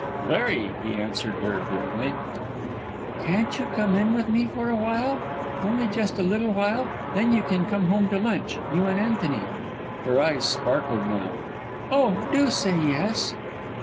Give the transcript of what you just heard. "Very," he answered her, grimly. "Can't you come in with me for awhile? Only just a little while, then you can come home to lunch you and Antony." Her eyes sparkled now. "Oh, do say yes!"